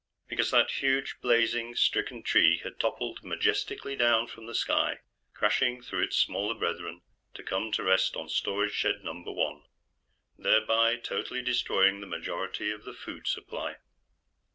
Because that huge, blazing, stricken tree had toppled majestically down from the sky, crashing through its smaller brethren, to come to rest on Storage Shed Number One, thereby totally destroying the majority of the food supply.